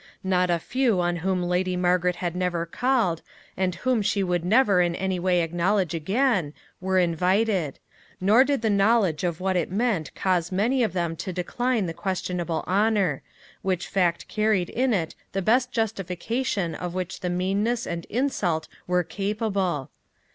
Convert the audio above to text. Not a few on whom Lady Margaret had never called, and whom she would never in any way acknowledge again, were invited; nor did the knowledge of what it meant cause many of them to decline the questionable honor which fact carried in it the best justification of which the meanness and insult were capable.